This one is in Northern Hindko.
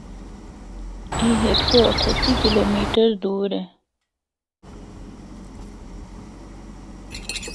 اے ہک سو اٹھتی کلومیڑ دور اے۔